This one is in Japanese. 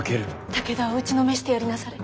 武田を打ちのめしてやりなされ。